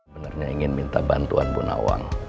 benernya ingin minta bantuan bunawang